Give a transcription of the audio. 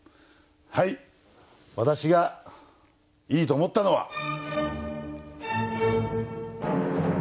はい私がいいと思ったのは。